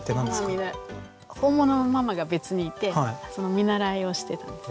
本物のママが別にいてその見習いをしてたんです。